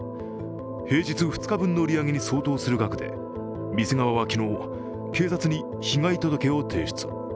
平日２日分の売り上げに相当する額で店側は昨日、警察に被害届を提出。